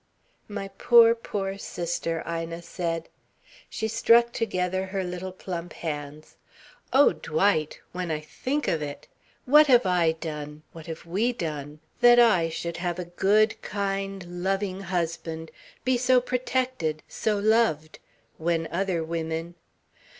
"My poor, poor sister!" Ina said. She struck together her little plump hands. "Oh, Dwight when I think of it: What have I done what have we done that I should have a good, kind, loving husband be so protected, so loved, when other women....